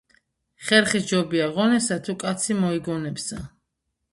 ხერხი სჯობია ღონესა თუ კაცი მოიგონებსა